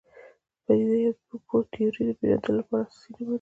پدیده پوه تیورۍ د پېژندلو لپاره اساس نه مني.